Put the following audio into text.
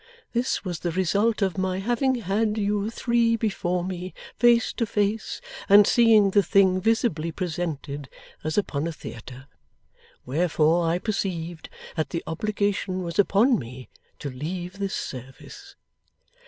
This was the result of my having had you three before me, face to face, and seeing the thing visibly presented as upon a theatre. Wherefore I perceived that the obligation was upon me to leave this service.